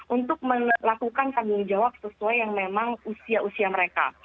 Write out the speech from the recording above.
untuk melakukan tanggung jawab sesuai yang memang usia usia mereka